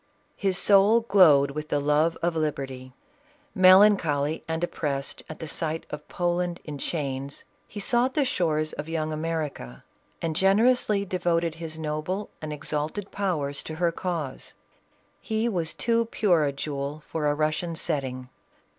His soul glowed with the love of liberty ; melancholy and oppressed at the sight )f Poland in chains, he sought the shores of young America, and generously devoted his noble and exalted powers to her cause. He was too pure a jewel for a Russian setting.